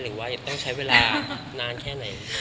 หรือว่าต้องใช้เวลานานแค่ไหน